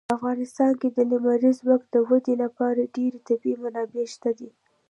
په افغانستان کې د لمریز ځواک د ودې لپاره ډېرې طبیعي منابع شته دي.